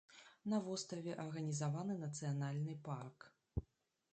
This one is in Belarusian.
На востраве арганізаваны нацыянальны парк.